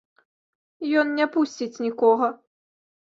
Ён не пусціць нікога.